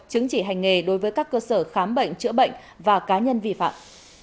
chứng chỉ hành nghề đối với các cơ sở khám bệnh chữa bệnh và cá nhân vi phạm